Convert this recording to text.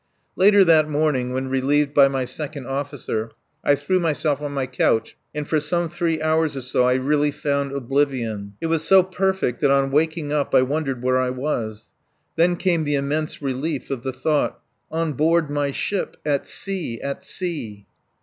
Later that morning, when relieved by my second officer, I threw myself on my couch and for some three hours or so I really found oblivion. It was so perfect that on waking up I wondered where I was. Then came the immense relief of the thought: on board my ship! At sea! At sea!